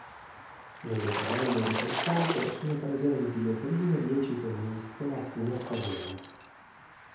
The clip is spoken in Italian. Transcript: Nelle tabelle riportate sono presenti le prime dieci tenniste a fine stagione.